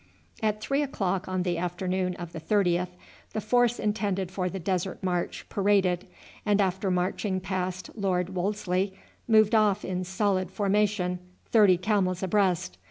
At three o'clock on the afternoon of the 30th the force intended for the desert march paraded, and after marching past Lord Wolseley moved off in solid formation, thirty camels abreast.